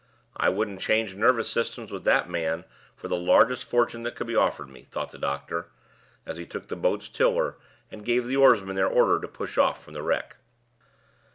"I wouldn't change nervous systems with that man for the largest fortune that could be offered me," thought the doctor as he took the boat's tiller, and gave the oarsmen their order to push off from the wreck.